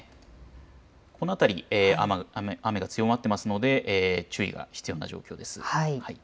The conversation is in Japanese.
この辺り、雨が強まっていますので注意が必要な状況です。